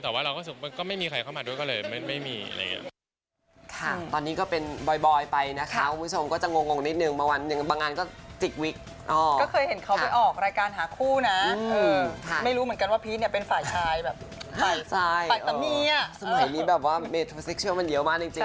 แต่ว่าเราก็ไม่มีใครเข้ามาด้วยก็เลยไม่มีอะไรอย่างนี้